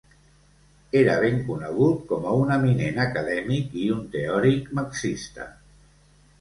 Era ben conegut com a un eminent acadèmic i un teòric marxista.